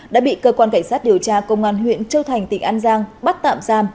đã bị cơ quan cảnh sát điều tra công an huyện châu thành tỉnh an giang bắt tạm giam